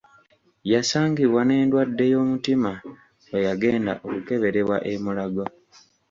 Yasangibwa n’endwadde y’omutima lw’eyagenda okukeberebwa e Mulago.